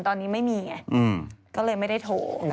ตอนนี้ไม่มีไงก็เลยไม่ได้โทร